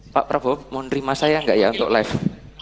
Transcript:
pak prabowo mau nerima saya nggak ya untuk live